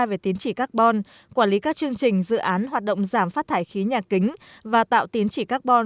về tiến trị carbon quản lý các chương trình dự án hoạt động giảm phát thải khí nhà kính và tạo tín chỉ carbon